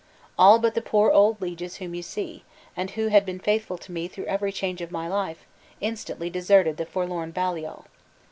All but the poor old lieges whom you see, and who had been faithful to me through every change of my life, instantly deserted the forlorn Baliol.